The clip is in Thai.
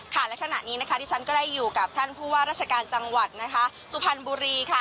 ขณะนี้ที่ฉันก็ได้อยู่กับท่านผู้ว่ารัชการจังหวัดสุพรรณบุรี